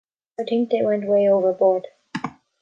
I think they went way overboard.